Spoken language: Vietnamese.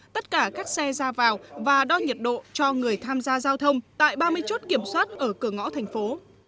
tất cả các xe ra vào và đo nhiệt độ cho người tham gia giao thông tại ba mươi chốt kiểm soát ở cửa ngõ thành phố